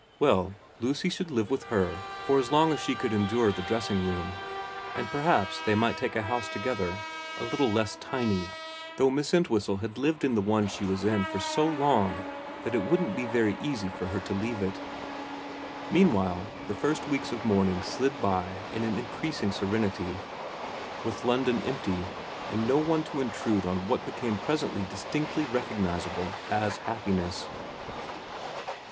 Well, Lucy should live with her for as long as she could endure the dressing room, and perhaps they might take a house together a little less tiny, though Miss Entwhistle had lived in the one she was in for so long that it wouldn't be very easy for her to leave it. Meanwhile the first weeks of mourning slid by in an increasing serenity, with London empty and no one to intrude on what became presently distinctly re cognisable as happiness.